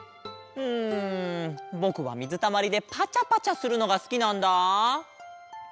うんぼくはみずたまりでパチャパチャするのがすきなんだ。